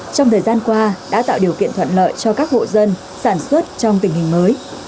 trong thời gian qua đã tạo điều kiện thuận lợi cho các hộ dân sản xuất trong tình hình mới